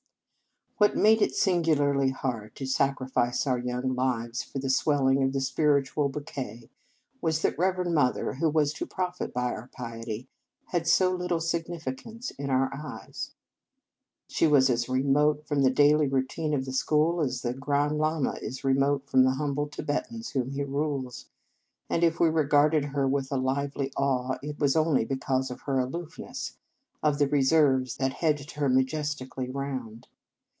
What made it singularly hard to sacrifice our young lives for the swell ing of a spiritual bouquet was that Reverend Mother, who was to profit by our piety, had so little significance in our eyes. She was as remote from the daily routine of the school as the Grand Lama is remote from the hum ble Thibetans whom he rules; and if we regarded her with a lively awe, it was only because of her aloofness, of the reserves that hedged her majes tically round.